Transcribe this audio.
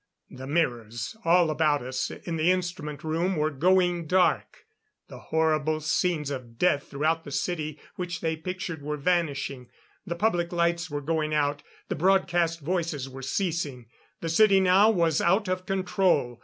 The mirrors all about us in the instrument room were going dark; the horrible scenes of death throughout the city which they pictured were vanishing. The public lights were going out; the broadcast voices were ceasing. The city now was out of control.